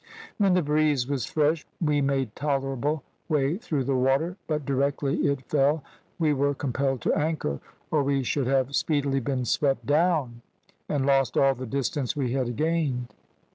When the breeze was fresh we made tolerable way through the water, but directly it fell we were compelled to anchor, or we should have speedily been swept down, and lost all the distance we had gained.